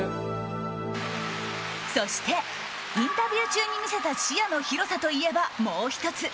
そして、インタビュー中に見せた視野の広さといえばもう１つ。